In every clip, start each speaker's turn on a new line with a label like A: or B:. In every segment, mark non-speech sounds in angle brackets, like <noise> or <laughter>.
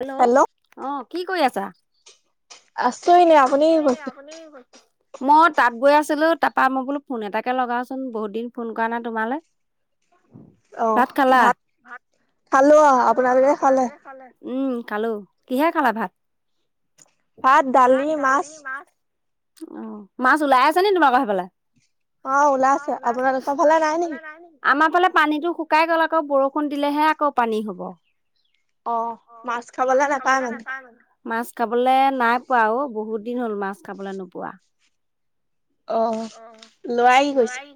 A: Hello অ কি কৰি আছা ।
B: আছো এনি আপুনি কি কৈছে । <unintelligible>
A: মই তাত গৈ আছিলো তাৰপা মই বোলো ফোন এটাকে লগাওচোন বহুত দিন ফোন কৰা নাই তোমালে । হয় । <unintelligible>
B: অ ভাত খালো আহ আপোনালোকে খালে ।
A: উম খালো কিহে খালা ভাত ।
B: ভাত দালি মাছ ।
A: অ মাছ ওলাই আছে নি তোমালোকৰ সেইফালে । অ ওলাইছে আপোনাৰফালে নাই ন আমাৰ । সফালে পানীতটো শুকাই গ'ল আকৌ বৰষুণ দিলেহে আকৌ পানী হ'ব ।
B: অ মাছ খাবলৈ নাপায় মানে ।
A: মাছ খাবলে নাই পোৱা অ বহুত দিন হ'ল মাছ খাবলে নোপোৱা ।
B: অ লোৱি গৈছে । <unintelligible>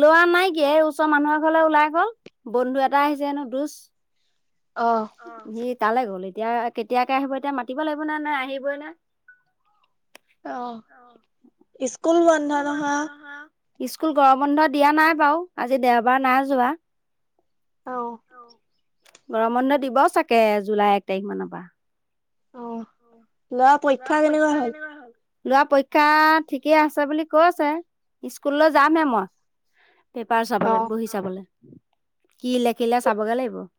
A: লোৱা নাই কিয় এই ওচৰ মানুহৰ ঘৰলৈ ওলাই গ'ল বন্ধু এটা আহিছে হেনো । প
B: অ'
A: <unintelligible> তালৈ গ'ল এতিয়া কেতিয়াকে আহিব এতিয়া মাতিব লাগিব নে নাই আহিবই না ।
B: আহ স্কুল বন্ধ নহ ।
A: স্কুল গৰ বন্ধ দিয়া নাই বাৰু আজি দেওবাৰ নাই যোৱা ।
B: অ ।
A: গৰম বন্ধ দিব চাগে জুলাই এক তাৰিখ মানৰ পৰা ।
B: অ লোৱা পৰীক্ষা কেনেকুৱা হ'ল । <unintelligible>
A: লোৱা পৰীক্ষা ঠিকে আছে বুলি কৈছে স্কুললৈ যামহে মই । পেপাৰ চাবলৈ
B: অ'
A: বহি চাবলৈ কি লেখিলে চাবগে লাগিব ।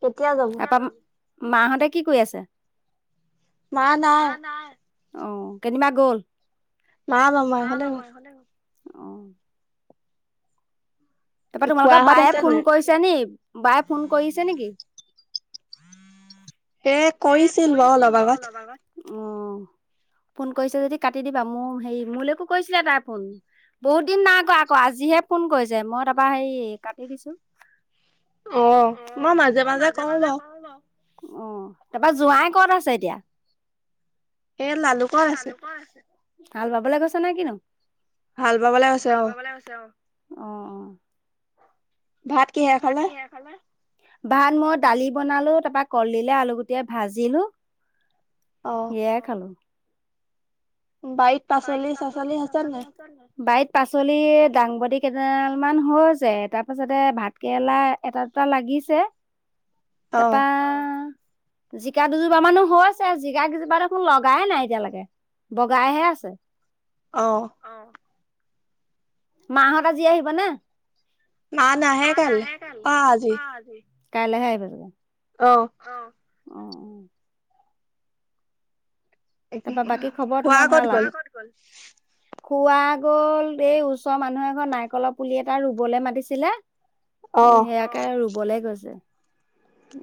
B: কেতিয়া যাব ।
A: মাহঁতে কি কৰি আছে মা নাই । অ কেনিবা গ'ল ।
B: মা নবহে হলে গ'ল ।
A: আহঁ । তাৰপৰা তোমালোকৰ
B: খুৰাহঁত
A: বায়ে
B: আছে
A: ফোন
B: নাই?
A: কৰিছে নি, বায়ে ফোন কৰিছে নেকি?
B: এ কৈছিল বাৰু অলপ আগত ।
A: অ, ফোন কৰিছে যদি কাটি দিবা মোৰ হেৰি মোলৈকো কৰিছিলে তাৰ ফোন । বহুত দিন নাই আকৌ আকৌ আজিহে ফোন কৰিছে মই তাৰপৰা হেৰি কাটি দিছো ।
B: অ মই মাজে মাজে কৰো বাৰু ।
A: অ তাৰপৰা জোৱাই কত আছে এতিয়া?
B: এ লালুকত আছে ।
A: হাল বাবলৈ গৈছে নাই কিনো?
B: হাল বাবালৈ আছে অ ।
A: অ অ ।
B: ভাত কিহে খালে?
A: ভাত মই দালি বনালো, তাৰপৰা কলদিলে, আলু গুটি ভাজিলো
B: অ'।
A: । এয়া খালো। বাৰীত পাচলি চাচলি নুচোৱা নি, বাৰিত পাচলি দাংবদি কেইডাল মান হৈ হৈছে, তাৰ পাছতে ভাত কেৰেলা এটা দুটা লাগিছে।
B: অ',
A: তাপা জিকা দুজোপামানো আ হৈছে জিকা কেইজোপা দেখোন লগাই নাই এতিয়ালৈকে বগাইহে আছ
B: অহ ।
A: মাহত আজি আহিব নে?
B: মা নাহে কাইলে অ আজি।
A: কাইলে হে আহিব।
B: আহ।
A: অঁ অঁ। তাৰপা বাকী খবৰ
B: খুৰা
A: তোমাৰ
B: ক'ত
A: ভাল
B: গ'ল?
A: আৰু? খোৰা গ'ল এই ওচৰৰ মানুহ এ ঘৰ নাৰিকলৰ পুলি এটা ৰুবলৈ মাতিছিলে। এ
B: অ',
A: সেয়াকে ৰুবলে গৈছে।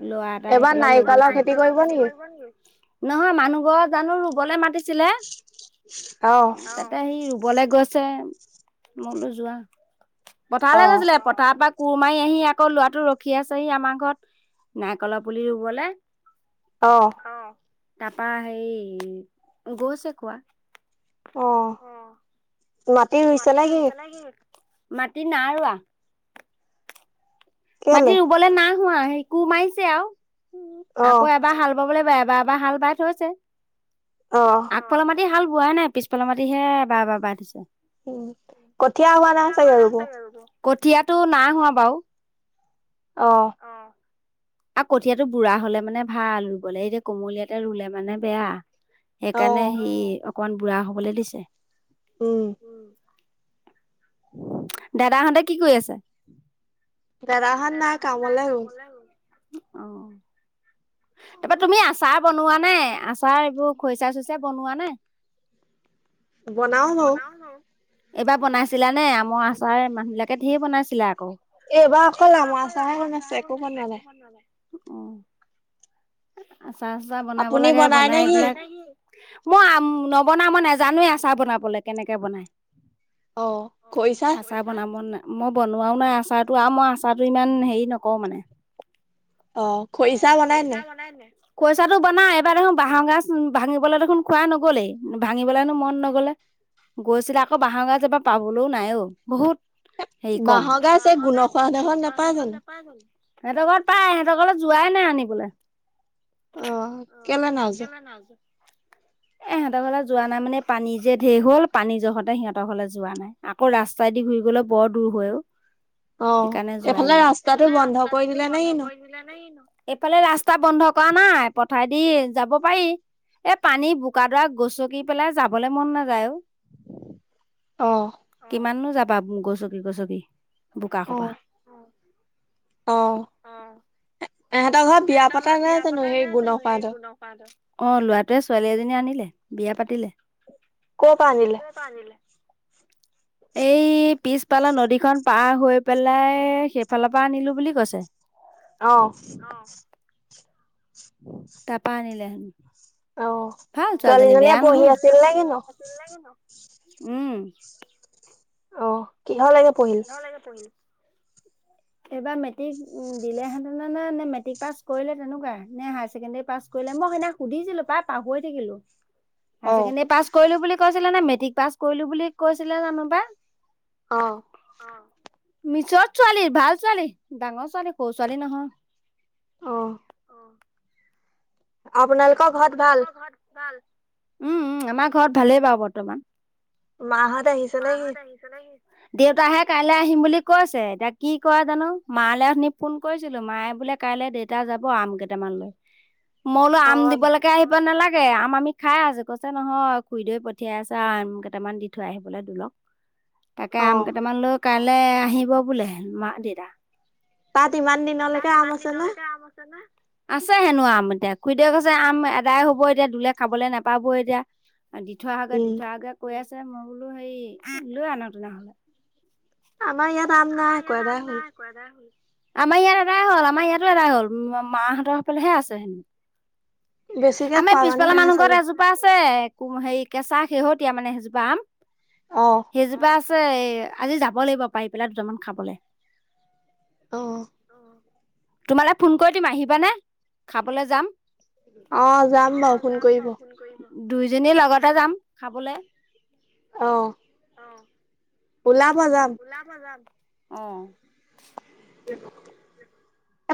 A: লৰা এটা আহি
B: এবাৰ
A: পেলাই লৈ
B: নাৰিকলৰ
A: গৈছে? এইবাৰ নাৰিকলৰ
B: কৰিব
A: খেতি কৰি নেকি? নহয় মানুহ ঘৰ জানো ৰুবলে মাতিছিলে,
B: অ',
A: তাতে সি বলে গৈছে মই বোলো যোৱা, পথাৰলৈ
B: অ',
A: গৈছিলে পথাৰ পৰা কোৰ মাৰি আহি আকৌ লৰাটো ৰখি আছেহি আমাৰ ঘৰত নাৰিকলৰ পুলি ৰুবলে
B: আহ।
A: তাৰপা সেই গৈছে খোৱা
B: অ', মাটি ৰুইছা নে কি?
A: মাটি নাই ৰোৱা । মাটি
B: কেলে?
A: ৰুবলৈ নাই হোৱা সেই কোৰ মাৰিছে আৰু,
B: অ',
A: আকৌ এবাৰ হাল বাবলৈ বা বাবা হাল বাই থৈছে,
B: অ',
A: আগফালৰ মাটি হাল বোৱাই নাই পিছফালৰ মাটিহে বা বা বা দিছে।
B: উম, কঠীয়া হোৱা না চাগে ৰুব।
A: কঠিয়াটো নাই হোৱা বাৰু
B: অ',
A: আহ। আৰু কঠীয়াটো বুঢ়া হলে মানে ভাল ৰুব লাগ এতিয়া কোমলীয়াতে ৰুলে মানে বেয়া। সেইকাৰণে
B: অ',
A: সি অকমান বুঢ়া হবলৈ দিছে উম। দাদাহঁতে কি কৰি আছে?
B: দাদাহঁত নাই কামলৈ গল ।
A: অ তাৰপৰা তুমি আছা? বনোৱা নাই আচাৰ এইবোৰ খৰিচা চইচা বনোৱা নাই?
B: বনাও বাৰু।
A: এইবাৰ বনাইছিলা নে আমৰ আচাৰ মানুহ বিলাকে ঢেৰ বনাইছিলা। অ, এইবাৰ অকল আমৰ আচাৰহে বনাইছোঁ একো হোৱা নাই, অ। আচা চাচা বনাব
B: আপুনি
A: লাগে।
B: নে
A: বনাই
B: কি?
A: এইবিলাক মই নবনাও। মই নাজানো এ আচা বনাবলে। কেনেকে বনাই।
B: অ খৰিচা
A: অ আছা বনাব নাই? মই বনোৱাও নাই আচাৰটো আৰু মই আচাৰটো ইমান হেৰি নকৰো মানে।
B: অ খৰিচা
A: খৰিচা বনাই নে? খৰিচাটো বনাও। এবাৰ দেখোন বাঁহৰ গাজ ভাঙিবলৈ দেখোন কোৱা নগলেই। ভাঙিবলে হেনো মন নগলে। গৈছিলে আকৌ বাঁহগাজ এইবাৰ পাবলৈও নাই অ। বহুত হেই কম।
B: বাঁহৰ গাজ এই গুণৰ
A: বাঁহগাজ
B: খোৱা ডোখৰত
A: গুণশ্বৰ হঁতৰ
B: নোপায়
A: ঘৰত নাপাই জানো? সিহঁতৰ ঘৰত পাই, হিহতৰ ঘৰলে যোৱাই নাই আনিবলে।
B: অ কেলে নাই যোৱা?
A: <inaudible> এ সিহঁতৰ ঘৰলে যোৱা নাই। মানে পানী যে ঢেৰ হ'ল পানী জহতে সিহঁতৰ ঘৰলে যোৱা নাই। আকৌ ৰাস্তাই দি ঘূৰি গ'ল বোলে বৰ দূৰ হয় অ।
B: অ
A: সেইকাৰণে যোৱাই
B: এইফালে
A: নাই।
B: ৰাস্তাটো
A: এইফালে
B: বন্ধ কৰি
A: ৰাস্তাতো
B: দিলে নে
A: বন্ধ
B: কিনো
A: কৰি দিলে নে কি নো? সেফালে ৰাস্তা বন্ধ কৰা নাই। পথাৰেদি যাব পাৰি। এ পানী বোকাডৰা গচকি পেলাই যাবলৈ মন নাযায় ও।
B: অ
A: কিমাননো যাবা গছকি গছকি বোকা
B: অ
A: সোপা। অঁ।
B: ইহঁতৰ ঘৰত বিয়া পতা নাই জানো সেই গুণ খুৰাহঁতৰ।
A: অ লৰাটোৱে ছোৱালী এজনী আনিলে, বিয়া পাতিলে।
B: ক' পৰা আনিলে?
A: <inaudible> এই পিছ ফালৰ নদীখন পাৰ হৈ পেলাই সেইফালৰ পৰা আনিলো বুলি কৈছে।
B: অঁ।
A: তাৰ পৰা আনিলে হেনো।
B: অ
A: ভাল ছোৱালীজনী বেয়া
B: ছোৱালীজনীয়ে পঢ়ি
A: নহয়।
B: আছিল নে কি নো?
A: উম।
B: অ কিহৰ লাগে পঢ়িল?
A: <inaudible> এইবাৰ মেট্ৰিক দিলেহেতেন নে, নে মেট্ৰিক পাছ কৰিলে তেনেকুৱা নে হায়াৰ ছেকেণ্ডাৰী পাছ কৰি মই সেইদিনা সুধিছিলো পাই পাহৰি থাকিলো।
B: অ
A: হাই ছেকেণ্ডী পাছ কৰিলো বুলি কৈছিলে নে মেট্ৰিক পাছ কৰিলো বুলি কৈছিলে জানো বা।
B: অ।
A: মিছৰত ছোৱালী, ভাল ছোৱালী, ডাঙৰ ছোৱালী। সৰু ছোৱালী নহয়,
B: অ
A: অ।
B: আপোনালোকৰ ঘৰত ভাল?
A: উম, উম। আমাৰ ঘৰত ভালেই বাৰু বৰ্তমান।
B: মাহঁত আহিছে নে কি?
A: দেউতাহে কাইলৈ আহিম বুলি কৈছে। এতিয়া কি কৰে জানো? মালে অথনি ফোন কৰিছিলো। মায়ে বু লে কাইলে দেতা যাব আম কেইটামান লৈ। মই বোলো
B: অ
A: আম দিবলৈকে আহিব নালাগে। তাকে আম আমি খাই আছোঁ। কৈছে নহয় খুৰীদৈ পঠিয়াই আছে আম কেইটামান দি থৈ আহিবলে দোলক। তাকে
B: অ
A: আম কেইটামান লৈ কাইলে আহিব বোলে মা দেতা।
B: তাত ইমান দিনলৈকে আম আছে নে?
A: আছে হেনো আম এতিয়া। খুৰীদেউ কৈছে আম এদাই হব এতিয়া দোলে খাবলৈ নাপাব এতিয়া। দি থোৱা আহাগে, দি
B: উম
A: থোৱা আহাগে কৈ আছে। মই বোলো হেৰি লৈ আনা তেনেহলে।
B: আমাৰ ইয়াত আম নাই, এদাই হল।
A: আমাৰ ইয়াত এদাই হ'ল। আমাৰ ইয়াতো এদাই হল। মাহঁতৰ সেইফিলেহে আছে হেনো।
B: বেছিকে
A: আমাৰ
B: খোৱা
A: পিছফালে
B: নাই
A: মানুহ ঘৰত
B: চাগে
A: এজোপা আছে হেৰি কেঁচা শেহতীয়া মানে সেইজোপা আম।
B: অ
A: সেইজোপা আছে এই আজি যাব লাগিব পাৰি পেলাই দুটামান খাবলৈ-
B: অ অ-
A: তোমালৈ ফোন কৰি দিম আহিবানে খাবলৈ যাম-
B: অ যাম বাৰু ফোন কৰিব-
A: দুয়োজনী লগতে যাম খাবলৈ-
B: অ অ- ওলাম-
A: ওলাব যাম অ-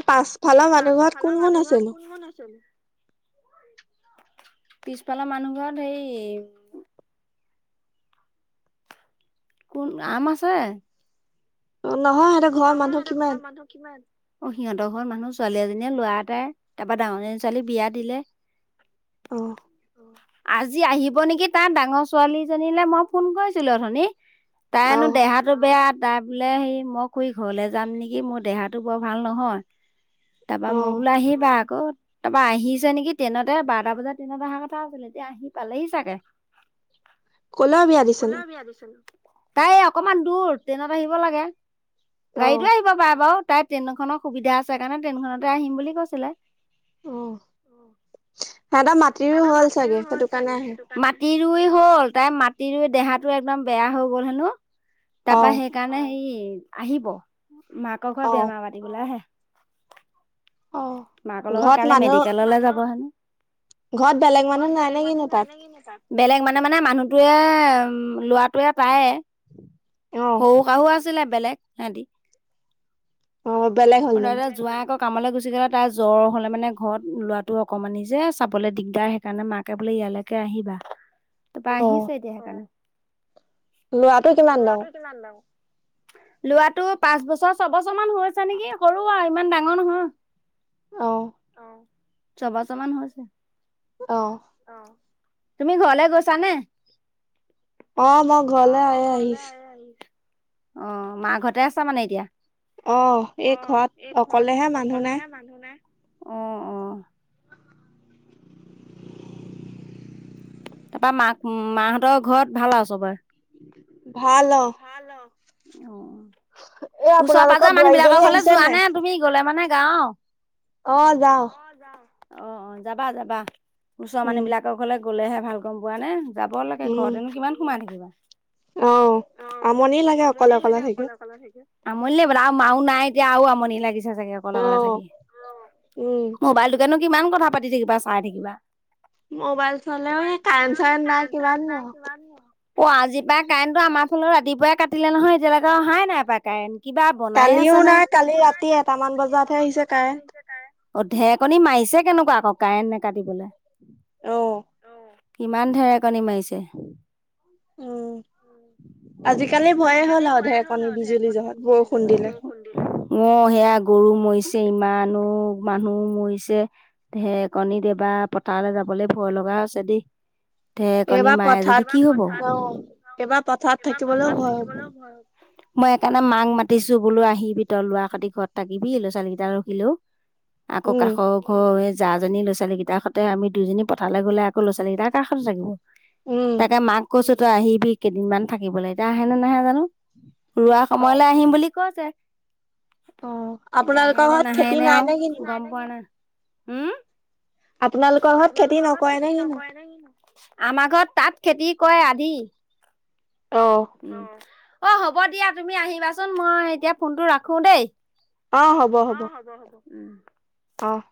B: এ পাছফালছ মানুহ ঘৰত কোন কোন আছেনো?
A: পিছফালৰ মানুহ ঘৰ সেই- কোন আম আছে-
B: অ নহয় সিহঁতৰ ঘৰৰ মানুহ
A: নহয় আৰু ঘৰৰ
B: কিমান
A: মানুহ কিমান- সেথৰ ঘৰৰ মানুহ ছোৱালী এজনীয়ে লৰা এটাই তাৰপৰা ডাঙৰ জনী ছোৱালী বিয়া দিলে- <unintelligible>
B: অহ!
A: আজি আহিব নেকি তাৰ ডাঙৰ ছোৱালীজনীলে মই ফোন কৰিছিলো অথনী <unintelligible> তাইনো
B: আহ
A: দেহাটো বেয়া তাই বোলে সেই মোক <unintelligible> কৰি ঘৰলৈ যাম নেকি মোৰ দেহাটো বৰ ভাল নহয় তাৰপা
B: অ
A: মই বোলো আহিবা আকৌ <unintelligible> তাৰপা আহিছে নেকি ট্ৰেইনতে বাৰটা বজাত ট্ৰেইনত অহা কথা আছিল এতিয়া আহি পালেহি চাগে
B: কলেও বিয়া দিছে ন <unintelligible>
A: তাই অকনমান দূৰ ট্ৰেইনত আহিব লাগে
B: অ
A: গাড়ীটো আহিব পাৰে বাৰু <unintelligible> তাই ট্ৰেইনখনৰ সুবিধা আছে কাৰণে ট্ৰেইনখনতে আহিম বুলি কৈছিলে
B: অ সিহঁতৰ মাটিৰো
A: <unintelligible> দ
B: হ'ল
A: মাটিৰো
B: চাগে
A: হ'ল
B: সেইটো কাৰণে
A: চাগে
B: আহে
A: সেই মাটিৰুই হ'ল <unintelligible> তাই মাটি ৰুই দেহাটো একদম বেয়া হৈ গ'ল হেনো তাৰ
B: অ
A: পৰা সেইকাৰণে হেই <unintelligible> আহিব মাকৰ ঘৰত
B: অ
A: বেমাৰ পাতি বোলা হে <unintelligible> <unintelligible>
B: অ
A: মাকৰ লগত
B: ঘৰত
A: কাইলে
B: মানুহ
A: মেডিকেললৈ যাব হেনো
B: ঘৰত বেলেগ
A: <unintelligible>
B: মানুহ
A: ঘৰত
B: নাই নে
A: বেলেগ মানে
B: কিনো
A: নাই
B: তাত
A: নে কিনো বেলেগ মানে মানে মানুহতোৱে <unintelligible> উম লৰাটোৱে পায়ে
B: অ
A: সৰু শাহু আছিলে বেলেগ সিহতি <unintelligible>
B: অ বলেগ হ'ল উম <unintelligible>
A: যোৱা আকৌ কামলৈ গুচি গলে তাৰ জ্বৰ হ'লে মানে ঘৰত লোৱাটো অকণমানি যে চাবলৈ দিগদাৰ সেই কাৰণে মাকে বোলে <unintelligible> এতিয়ালৈকে আহিবা তাৰপৰা
B: অ
A: আহিছে এতিয়া সেইকাৰণে
B: ল'ৰাটো কিমান ডাঙৰ
A: লৰাটো কিমান দা <unintelligible> লোৱাটো পাঁচ বছৰ ছবছৰ মান হৈছে নেকি <unintelligible> সৰুৱাও ইমান ডাঙৰ নহয় <unintelligible>
B: আহ
A: ছবছ মান হৈছে
B: আহ
A: তুমি ঘৰলে গৈছানে
B: অ মই ঘৰলে আই আহিছো <unintelligible>
A: আহ মাৰ ঘৰতে আছ মানে এতিয়া <unintelligible>
B: অ এই ঘৰত অকলেহে মানুহ নাই
A: অ অ তাৰপা মাক মাহঁতৰ ঘৰত ভাল আৰু চবৰে
B: ভাল অ
A: উ
B: এ
A: ওচৰ
B: আপোনালোকৰ
A: পাজৰ মানুহ
B: বোৱাৰীজনী
A: বিলাকৰ ঘলে
B: আহিছে
A: যোৱা
B: নাই
A: নে তুমি গলে মানে যাও <unintelligible>
B: অ যাও
A: অ অ যাবা যাবা ওছ
B: উম
A: মানুহ বিলাকৰ ঘলে গলেহে ভাল গম পোৱা নে <unintelligible> যাব লাগে
B: উম
A: ঘৰত এনো কিমান সোমাই থাকিবা
B: অ আমনি লাগে অকলে অকলে থাকি
A: আমনি নে বোলে আৰু মাও নাই এতিয়া আৰু আমনি লাগিছে <unintelligible> চাগে অকলে
B: অ
A: অকলে থাকি
B: উম
A: মোবাইলটোকেনো কিমান কথা পাতি থাকিবা চাই থাকিবা <unintelligible>
B: মোবাইল চালেও সে কাৰেন চাৰেন নাই কিমাননো আও
A: অ আজি পৰা কাৰেণ্টো আমাৰ ফালেও ৰাতিপুৱাই কাটিলে নহয় এতিয়ালৈকে অহাই নাই পাই কাৰেণ্ট কিবা বনাই
B: কালিও
A: আছে নে?
B: নাই কালি ৰাতি এটামান বজাতহে আহিছে কাৰেণ্ট
A: অ ঢেকনি মাৰিছে কেনেকোৱা আকৌ কাৰেণ্ট নেকাটিবলে
B: অ
A: কিমান ঢেৰ কণী মাৰিছে
B: উম আজিকালি ভয়ে হ'ল
A: আজিকালি
B: আও
A: ভয়েই হ'ল
B: ঢেৰেকণী
A: আৰু
B: বিজুলী
A: ঢেৰকণী
B: জহত
A: বিজুলী
B: দিলে
A: বৰষুণ দিলে অ' সেয়া গৰু মৰিছে ইমানো মানুহ মৰিছে ঢেকণী এবাৰ পথালে যাবলে ভ ভয় লগা হৈছে দি ঢেকণী
B: এইবাৰ
A: মায়ে
B: পথাৰত
A: যদি কি হব এইবাৰ
B: অ
A: পথাৰত
B: এইবাৰ
A: একদম
B: পথাৰত
A: এইবাৰ
B: থাকিবলৈও
A: পথাৰত
B: ভয়
A: থাকিবলেও ভয় মই সেকাৰণে মাক মাতিছো বোলো আহিবি তই লৰা খতি ঘৰত থাকিবি ল'ৰা ছোৱালী কেইটা ৰখিলেও আকৌ
B: উম
A: কাষ ঘৰ সে যা জনী লৱা ছোৱালীকেইটাসতে আমি দুইজনী পথালে গলে আকৌ'লৰা ছাৱালীকেইটা কা সতে থাকিব
B: উম
A: তাকে মাক কৈছো তই আহিবি কেইদিনমান থাকিবলে এতিয়া আহে নে নাহে জানো ৰুৱা
B: অ
A: সময়লে আহিম বুলি কৈছে
B: অ
A: এতিয়া আহে
B: আপোনালোকৰ
A: ন
B: ঘৰত
A: নাহাই
B: খেতি
A: নে
B: নাই
A: আও
B: কিনো
A: গম পোৱা নাই। হুম
B: আপোনালোকৰ খেতি
A: আপোনালোকৰ ঘৰত
B: নকৰে
A: খেতি
B: নে কিনো
A: নকৰে নে কি? আমাৰ ঘৰত তাত খেতি কৰে আধি
B: অ
A: উম, অ, হ'ব দিয়া তুমি আহিবাচোন মই এতিয়া ফোনটো ৰাখো দেই।
B: অ, হ'ব, হ'ব।
A: উম।
B: অহ।